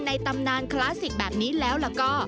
ตำนานคลาสสิกแบบนี้แล้วล่ะก็